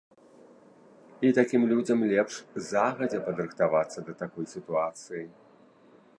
І такім людзям лепш загадзя падрыхтавацца да такой сітуацыі.